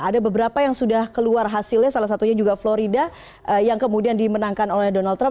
ada beberapa yang sudah keluar hasilnya salah satunya juga florida yang kemudian dimenangkan oleh donald trump